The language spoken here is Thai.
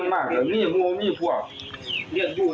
ลูกก็ไม่ได้มีเรื่องกับใคร